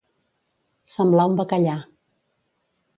Semblar un bacallà.